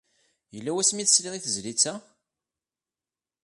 Yella wasmi ay tesliḍ i tezlit-a?